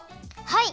はい！